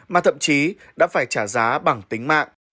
mà thậm chí đã phải trả giá bằng tính mạng